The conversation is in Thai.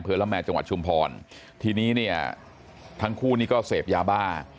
เผลอละแมมจังหวัดชุมพรทีนี้ทั้งคู่นี่ก็เสพยาบ้า